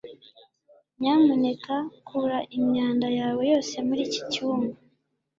Nyamuneka kura imyanda yawe yose muri iki cyumba.